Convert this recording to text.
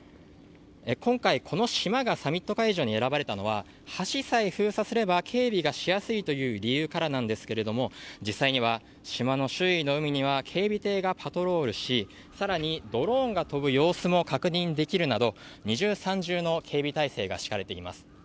今回、この島がサミット会場に選ばれたのは橋さえ封鎖すれば警備がしやすいという理由からなんですが実際には、島の周囲の海には警備艇がパトロールし更にドローンが飛ぶ様子も確認できるなど二重、三重の警備態勢が敷かれています。